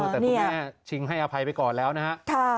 แต่คุณแม่ชิงให้อภัยไปก่อนแล้วนะฮะ